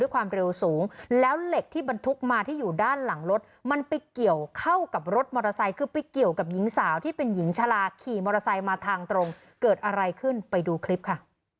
ความเร็วสูงแล้วเหล็กที่บรรทุกมาที่อยู่ด้านหลังรถมันไปเกี่ยวเข้ากับรถมอเตอร์ไซค์คือไปเกี่ยวกับหญิงสาวที่เป็นหญิงชาลาขี่มอเตอร์ไซค์มาทางตรงเกิดอะไรขึ้นไปดูคลิปค่ะ